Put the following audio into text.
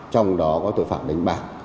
trong đó có tội phạm đánh bạc